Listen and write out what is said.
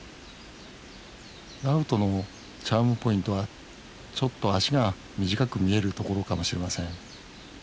ラウトのチャームポイントはちょっと脚が短く見えるところかもしれません。